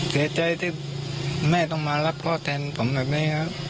เสียใจที่แม่ต้องมารับข้อเท็กต์ผมแบบนี้นะ